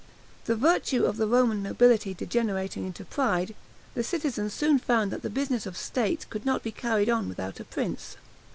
The virtue of the Roman nobility degenerating into pride, the citizens soon found that the business of the state could not be carried on without a prince.